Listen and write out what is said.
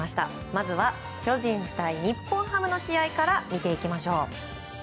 まずは巨人対日本ハムの試合から見ていきましょう。